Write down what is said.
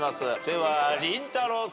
ではりんたろー。